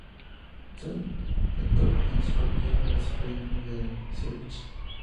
Se doctoró en psicología y filosofía en la Universidad de Zúrich.